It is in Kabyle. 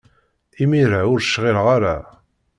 Imir-a, ur cɣileɣ ara.